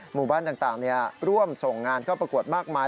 หมู่บ้านต่างร่วมส่งงานเข้าประกวดมากมาย